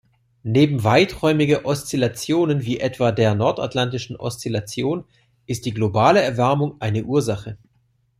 Neben weiträumige Oszillationen, wie etwa der Nordatlantischen Oszillation, ist die globale Erwärmung eine Ursache.